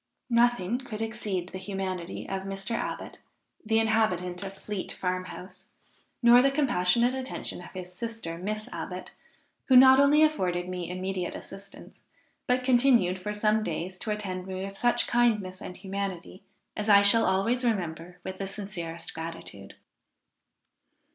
Nothing could exceed the humanity of Mr. Abbot, the inhabitant of Fleet farm house, nor the compassionate attention of his sister, Miss Abbot, who not only afforded me immediate assistance, but continued for some days to attend me with such kindness and humanity, as I shall always remember with the sincerest gratitude."